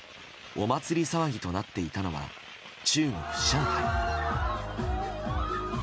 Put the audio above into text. お祭り騒ぎとなっていたのは中国・上海。